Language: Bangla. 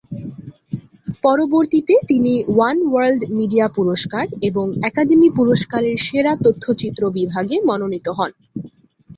পরবর্তীতে তিনি "ওয়ান ওয়ার্ল্ড মিডিয়া পুরস্কার" এবং একাডেমি পুরস্কারের সেরা তথ্যচিত্র বিভাগে মনোনীত হন।